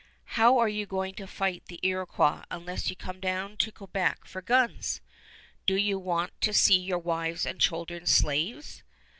How are you going to fight the Iroquois unless you come down to Quebec for guns? Do you want to see your wives and children slaves?